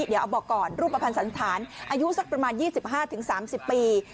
เดี๋ยวเอาบอกก่อนรูปประพันธ์สันฐานอายุสักประมาณยี่สิบห้าถึงสามสิบปี